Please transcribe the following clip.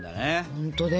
ほんとね